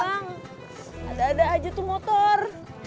ada ada aja tuh motor